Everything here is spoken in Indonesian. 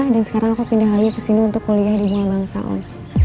dan sekarang aku pindah lagi kesini untuk kuliah di bumalbangsa om